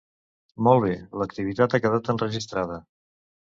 Molt bé, l'activitat ha quedat enregistrada.